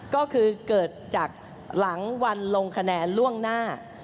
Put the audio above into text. ก็คือเกิดจากหลังวันลงคะแนนล่วงหน้า